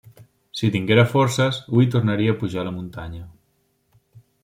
Si tinguera forces, hui tornaria a pujar a la muntanya.